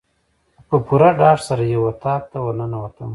په پوره ډاډ سره یو اطاق ته ورننوتم.